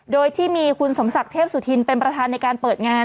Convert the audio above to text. โดยที่มีคุณสมศักดิ์เทพสุธินเป็นประธานในการเปิดงาน